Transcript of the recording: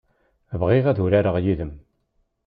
Bɣiɣ ad urareɣ yid-m.